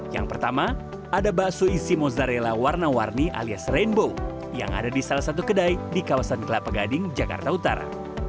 yang pertama ada bakso isi mozzarella warna warni alias rainbow yang ada di salah satu kedai di kawasan kelapa gading jakarta utara